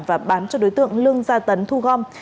và bán cho đối tượng lương gia tấn thu gom